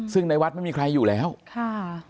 ซึ่งในวัดไม่มีใครอยู่แล้วค่ะ